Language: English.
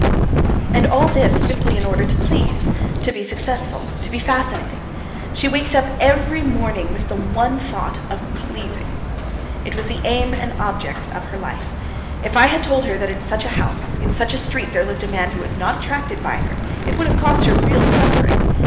And all this simply in order to please, to be successful, to be fascinating! She waked up every morning with the one thought of "pleasing"! It was the aim and object of her life. If I had told her that in such a house, in such a street, there lived a man who was not attracted by her, it would have caused her real suffering.